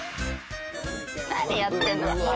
何やってるの？